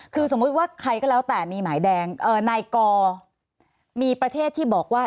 คือสมมุติว่าใครก็แล้วแต่มีหมายแดงนายกอมีประเทศที่บอกว่า